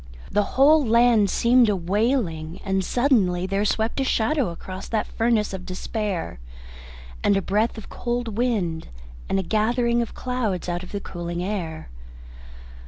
The whole land seemed a wailing, and suddenly there swept a shadow across that furnace of despair, and a breath of cold wind, and a gathering of clouds, out of the cooling air.